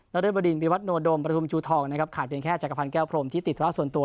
และเริ่มประดิษฐ์มีวัดโนโดมประธุมชูทองนะครับขาดเป็นแค่จักรพันธ์แก้วพรมที่ติดภาพส่วนตัว